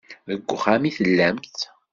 Deg uxxam i tellamt.